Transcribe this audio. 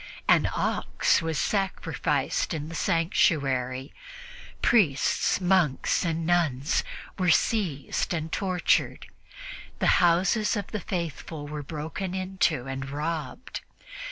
An ox was sacrificed in the sanctuary; priests, monks and nuns were seized and tortured; the houses of the faithful were broken into and robbed.